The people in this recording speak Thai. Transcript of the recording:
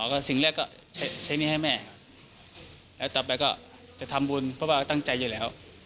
ก็สิ่งแรกก็ใช้หนี้ให้แม่แล้วต่อไปก็จะทำบุญเพราะว่าตั้งใจอยู่แล้ว